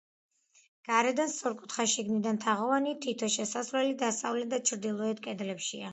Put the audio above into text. გარედან სწორკუთხა, შიგნიდან თაღოვანი თითო შესასვლელი დასავლეთ და ჩრდილოეთ კედლებშია.